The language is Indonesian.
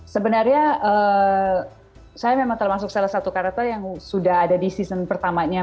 sebenarnya saya memang termasuk salah satu karakter yang sudah ada di season pertamanya